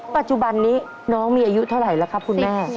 ปัจจุบันนี้น้องมีอายุเท่าไหร่แล้วครับคุณแม่